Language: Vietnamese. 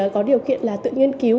có điều kiện là tự nghiên cứu